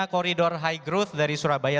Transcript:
koridor high growth dari surabaya